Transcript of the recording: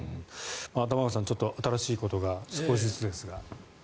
玉川さん新しいことが少しずつですが。